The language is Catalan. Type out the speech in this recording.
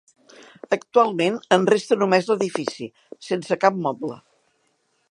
Actualment en resta només l'edifici, sense cap moble.